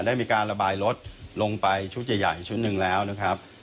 ได้มีการระบายรถลงไปชุดใหญ่ชุดหนึ่งแล้วนะครับ